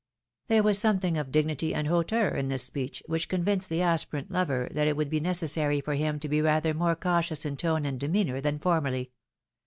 There was something of dignity and hauteur in this speech, which convinced the aspirant, lover that it would be necessary for him to be rather more cautious in tone and demeanour than formerly.